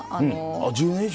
あっ１０年以上。